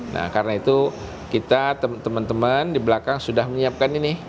nah karena itu kita teman teman di belakang sudah menyiapkan ini